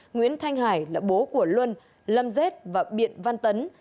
nguyễn thanh hải là bố của luân lâm dết và biện văn tấn